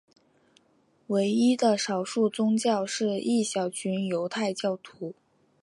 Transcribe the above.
唯一的少数宗教是一小群犹太教徒。